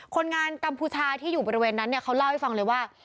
คนงานกัมพูชาที่อยู่บริเวณนั้นเนี่ยเขาเล่าให้ฟังเลยว่า